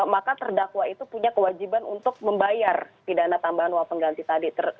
maka terdakwa itu punya kewajiban untuk membayar pidana tambahan uang pengganti tadi